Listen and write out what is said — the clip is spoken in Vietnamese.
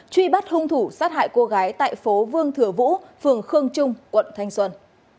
truy bắt hung thủ sát hại cô gái tại phố vương thừa vũ phường khương trung quận thanh xuân